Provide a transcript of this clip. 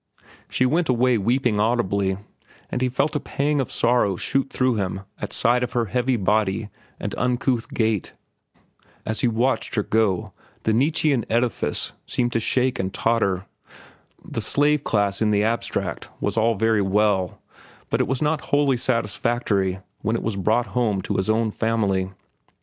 She went away weeping audibly, and he felt a pang of sorrow shoot through him at sight of her heavy body and uncouth gait. As he watched her go, the Nietzschean edifice seemed to shake and totter. The slave class in the abstract was all very well, but it was not wholly satisfactory when it was brought home to his own family.